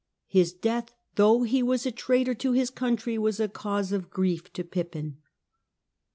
" His death, though he was a traitor to his country, was a cause of grief to Pippin."